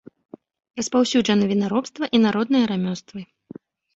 Распаўсюджаны вінаробства і народныя рамёствы.